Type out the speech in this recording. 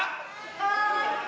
はい！